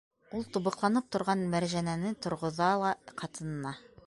Ул тубыҡланып торған Мәржәнәне торғоҙа ла ҡатынына: